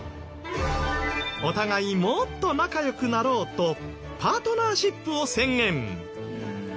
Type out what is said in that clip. お互いもっと仲良くなろうとパートナーシップを宣言。